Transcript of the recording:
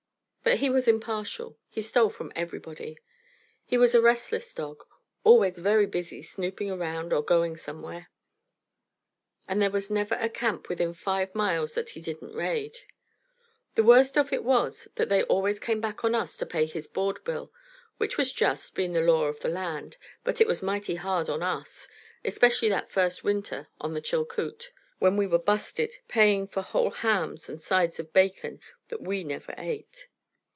But he was impartial. He stole from everybody. He was a restless dog, always very busy snooping around or going somewhere. And there was never a camp within five miles that he didn't raid. The worst of it was that they always came back on us to pay his board bill, which was just, being the law of the land; but it was mighty hard on us, especially that first winter on the Chilcoot, when we were busted, paying for whole hams and sides of bacon that we never ate.